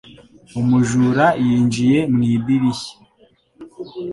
Umujura yinjiye mu idirishya.